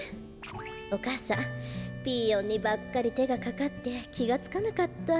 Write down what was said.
お母さんピーヨンにばっかりてがかかってきがつかなかった。